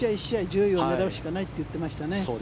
順位を狙うしかないと言っていましたね。